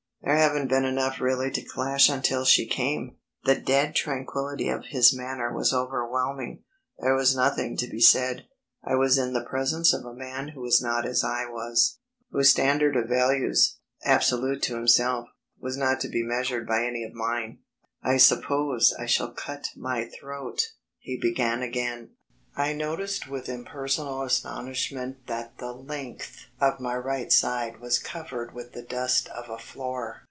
There haven't been enough really to clash until she came." The dead tranquillity of his manner was overwhelming; there was nothing to be said. I was in the presence of a man who was not as I was, whose standard of values, absolute to himself, was not to be measured by any of mine. "I suppose I shall cut my throat," he began again. I noticed with impersonal astonishment that the length of my right side was covered with the dust of a floor.